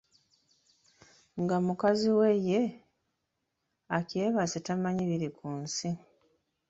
Nga mukazi we ye akyebase tamanyi bili ku nsi.